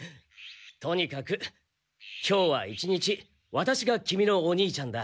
とにかく今日は一日ワタシがキミのお兄ちゃんだ。